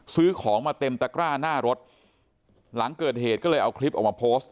ซื้อของมาเต็มตะกร้าหน้ารถหลังเกิดเหตุก็เลยเอาคลิปออกมาโพสต์